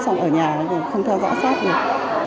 xong ở nhà không theo dõi sát